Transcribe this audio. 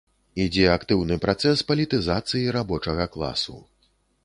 Ідзе актыўны працэс палітызацыі рабочага класу.